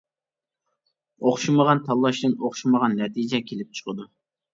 ئوخشىمىغان تاللاشتىن ئوخشىمىغان نەتىجە كېلىپ چىقىدۇ.